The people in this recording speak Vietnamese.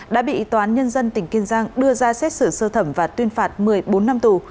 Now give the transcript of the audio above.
đã bị tòa án nhân dân tỉnh kiên giang đưa ra xét xử sơ thẩm và tuyên phạt một mươi bốn năm tù